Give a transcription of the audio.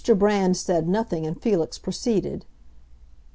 Brand said nothing and Felix proceeded.